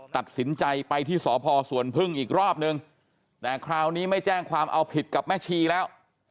ตัดสินใจไปที่สพสวนพึ่งอีกรอบนึงแต่คราวนี้ไม่แจ้งความเอาผิดกับแม่ชีแล้ว